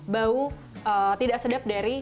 bau tidak sedap dari